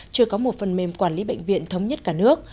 chưa có một phần mềm quản lý bệnh viện thống nhất cả nước